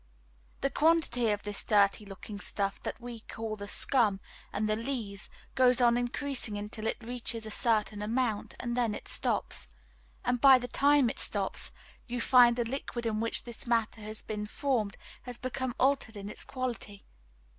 The quantity of this dirty looking stuff, that we call the scum and the lees, goes on increasing until it reaches a certain amount, and then it stops; and by the time it stops, you find the liquid in which this matter has been formed has become altered in its quality.